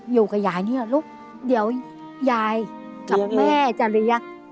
อยู่กับยายเนี่ยลูกเดี๋ยวยายกับแม่จะเลี้ยง